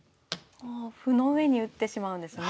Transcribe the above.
歩の上に打ってしまうんですね。